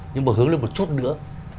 nhưng mà hướng lên một chút nữa